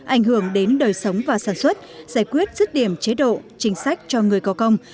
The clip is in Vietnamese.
ảnh hưởng đến đời sống và sản xuất giải quyết rứt điểm chế độ chính sách cho người có công